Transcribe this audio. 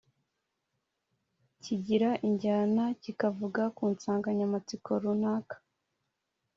kigira injyana kikavuga ku nsanganyamatsiko runaka